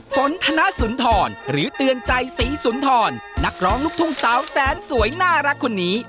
ฝนธนสุนทรหรือเตือนใจศรีสุนทรนักร้องลูกทุ่งสาวแสนสวยน่ารักคนนี้